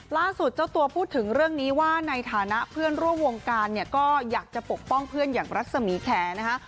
ล่าสุดเจ้าตัวพูดถึงเรื่องนี้ว่าในฐานะเพื่อนร่วมวงการเนี่ยก็อยากจะปกป้องเพื่อนอย่างรัศมีแขนะคะ